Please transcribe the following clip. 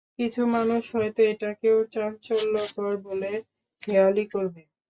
কিছু মানুষ হয়তো এটাকেও চাঞ্চল্যকর বলে হেঁয়ালি করবে!